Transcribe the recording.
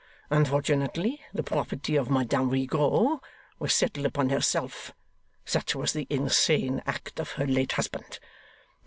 Unfortunately, the property of Madame Rigaud was settled upon herself. Such was the insane act of her late husband.